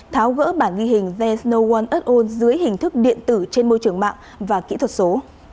tháo gỡ bản ghi hình there s no one at all dưới hình thức điện tử trên môi trường mạng và kỹ thuật số